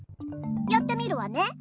やってみるわね。